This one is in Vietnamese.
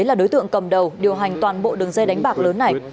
là đối tượng cầm đầu điều hành toàn bộ đường dây đánh bạc lớn này